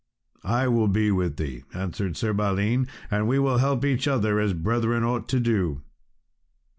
"I will be with thee," answered Sir Balan, "and we will help each other, as brethren ought to do."